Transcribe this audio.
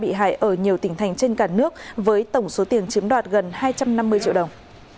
một mươi ba bị hại ở nhiều tỉnh thành trên cả nước với tổng số tiền chiếm đoạt gần hai trăm năm mươi triệu đồng